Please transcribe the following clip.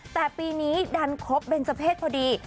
แต่ปีนี้ดันครบเป็นสเผ็ดพอดี